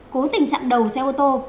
cố tình chặn đầu xe ô tô